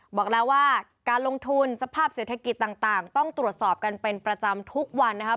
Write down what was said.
บอกแล้วว่าการลงทุนสภาพเศรษฐกิจต่างต้องตรวจสอบกันเป็นประจำทุกวันนะครับ